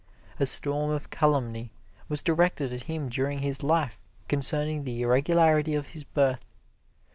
A storm of calumny was directed at him during his life concerning the irregularity of his birth.